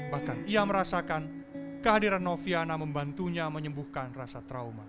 bahkan ia merasakan kehadiran noviana membantunya menyembuhkan rasa trauma